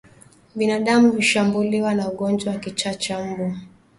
Binadamu hushambuliwa na ugonjwa wa kichaa cha mbwa